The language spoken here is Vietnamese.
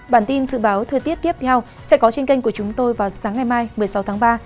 bản tin dự báo thời tiết tiếp theo sẽ có trên kênh của chúng tôi vào sáng ngày mai một mươi sáu tháng ba